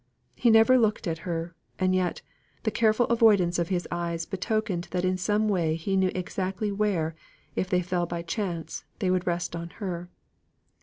He never looked at her; and yet, the careful avoidance of his eyes betokened that in some way he knew exactly where, if they fell by chance, they would rest on her.